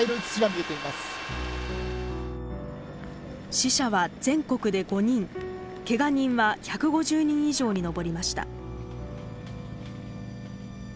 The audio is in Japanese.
死者は全国で５人けが人は１５０人以上に上りました。